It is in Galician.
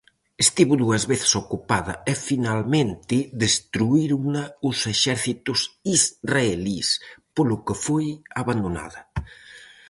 Estivo dúas veces ocupada e finalmente destruírona os exércitos israelís, polo que foi abandonada.